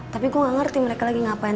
tapi gue gak ngerti mereka lagi ngapain